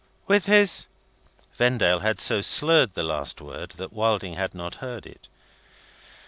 '" "With his ?" Vendale had so slurred the last word, that Wilding had not heard it.